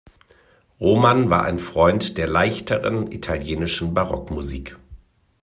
Roman war ein Freund der leichteren, italienischen Barockmusik.